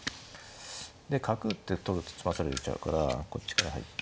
で角打って取ると詰まされちゃうからこっちから入って。